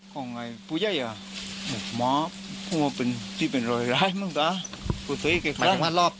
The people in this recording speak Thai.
ผมไงจะเหลือหม้อพูดว่าเป็นที่เป็นรอยร้ายมึงตากูสามารถ